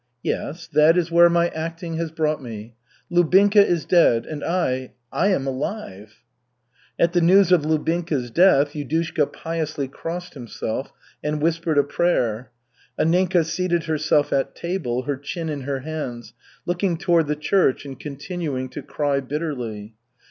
"Yes, that is where my acting has brought me. Lubinka is dead and I I am alive," At the news of Lubinka's death Yudushka piously crossed himself and whispered a prayer. Anninka seated herself at table, her chin in her hands, looking toward the church and continuing to cry bitterly.